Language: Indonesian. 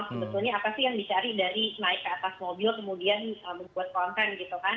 sebetulnya apa sih yang dicari dari naik ke atas mobil kemudian membuat konten gitu kan